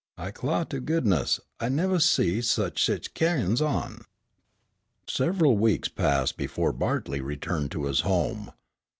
I clah to goodness, I nevah did see sich ca'in's on." Several weeks passed before Bartley returned to his home.